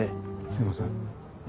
すいません。